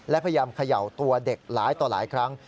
และพยายามเขย่าตัวเด็กหลายต่อหลายครั้ง